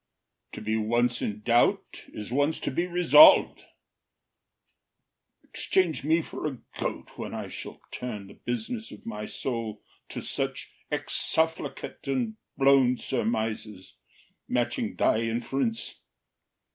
To be once in doubt Is once to be resolv’d: exchange me for a goat When I shall turn the business of my soul To such exsufflicate and blown surmises, Matching thy inference.